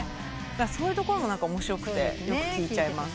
そういうところも面白くてよく聴いちゃいます。